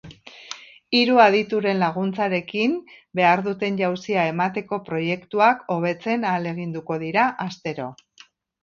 Hiru adituren laguntzarekin, behar duten jauzia emateko proiektuak hobetzen ahaleginduko dira astero.